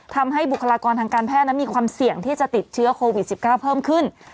บุคลากรทางการแพทย์นั้นมีความเสี่ยงที่จะติดเชื้อโควิด๑๙เพิ่มขึ้น